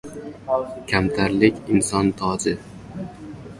• Kamtarlik — inson toji.